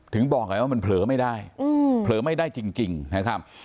บอกไงว่ามันเผลอไม่ได้เผลอไม่ได้จริงนะครับ